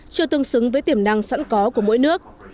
chưa tương xứng với tiềm năng sẵn có của mỗi nước